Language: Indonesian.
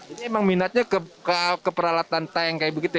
ini memang minatnya ke peralatan tank kayak begitu